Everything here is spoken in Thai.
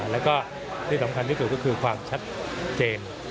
แล้วก็ที่สำคัญที่สุดก็คือความชัดเจน